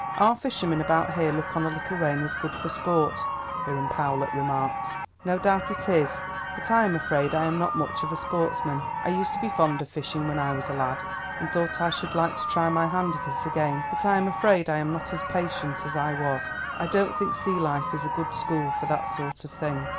"Our fishermen about here look on a little rain as good for sport," Hiram Powlett remarked. "No doubt it is; but I am afraid I am not much of a sportsman. I used to be fond of fishing when I was a lad, and thought I should like to try my hand at it again, but I am afraid I am not as patient as I was. I don't think sea life is a good school for that sort of thing."